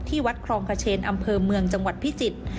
วัดครองขเชนอำเภอเมืองจังหวัดพิจิตร